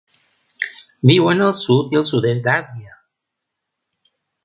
Viuen al sud i el sud-est d'Àsia.